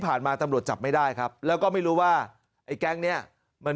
มาตำรวจจับไม่ได้ครับแล้วก็ไม่รู้ว่าไอ้แก๊งเนี้ยมัน